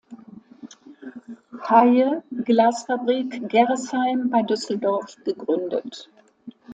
Heye, Glas-Fabrik, Gerresheim bei Düsseldorf“ gegründet.